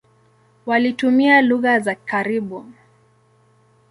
Walitumia lugha za karibu.